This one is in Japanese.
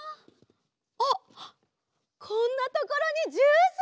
あっこんなところにジュース！